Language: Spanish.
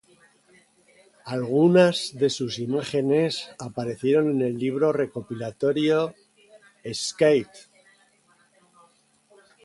Algunas de sus imágenes aparecieron en el libro recopilatorio "Skate!